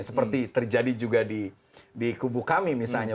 seperti terjadi juga di kubu kami misalnya